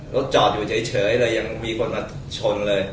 รถจอดอยู่เฉยเลยยังมีคนมาชนเลย